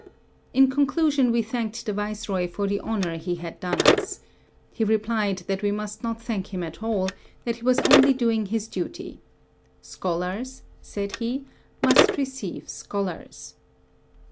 In conclusion we thanked the viceroy for the honor he had done us. He replied that we must not thank him at all; that he was only doing his duty. "Scholars," said he, "must receive scholars."